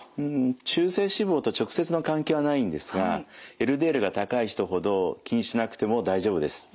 中性脂肪と直接の関係はないんですがＬＤＬが高い人ほど気にしなくても大丈夫です。